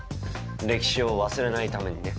歴史を忘れないためにね。